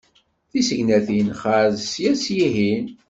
Tisegnatin xarez sya s yihin.